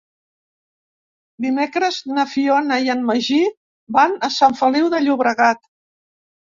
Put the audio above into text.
Dimecres na Fiona i en Magí van a Sant Feliu de Llobregat.